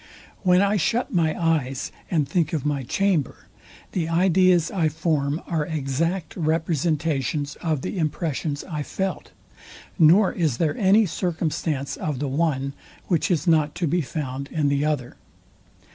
When I shut my eyes and think of my chamber, the ideas I form are exact representations of the impressions I felt; nor is there any circumstance of the one, which is not to be found in the other.